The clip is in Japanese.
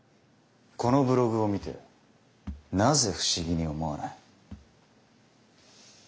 このブログを見てなぜ不思議に思わない？